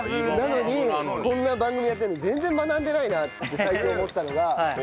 なのにこんな番組やってるのに全然学んでないなって最近思ったのは。